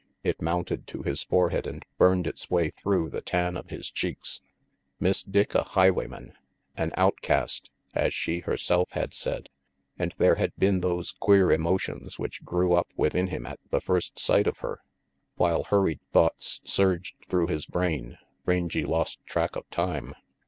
It mounted to his forehead and burned its way through the tan of his cheeks. Miss Dick a highwayman, an outcast, as she her self had said. And there had been those queer emo tions which grew up within him at the first sight of her. While hurried thoughts surged through his brain, Rang lost track of time.